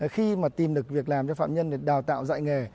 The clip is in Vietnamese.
khi mà tìm được việc làm cho phạm nhân để đào tạo dạy nghề